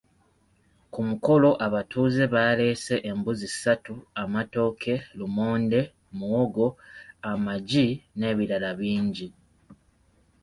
Ku mukolo abatuuze baaleese embuzi ssatu, amatooke, lumonde, muwogo, amagi n’ebirala bingi.